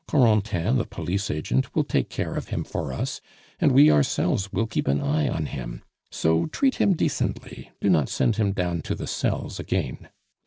Corentin, the police agent, will take care of him for us, and we ourselves will keep an eye on him. So treat him decently; do not send him down to the cells again.